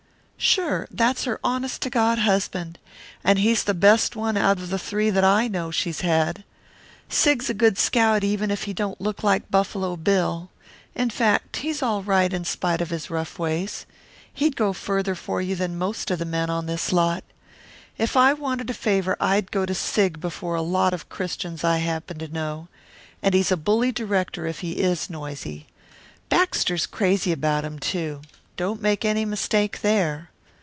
"Sure, that's her honest to God husband. And he's the best one out of three that I know she's had. Sig's a good scout even if he don't look like Buffalo Bill. In fact, he's all right in spite of his rough ways. He'd go farther for you than most of the men on this lot. If I wanted a favour I'd go to Sig before a lot of Christians I happen to know. And he's a bully director if he is noisy. Baxter's crazy about him, too. Don't make any mistake there."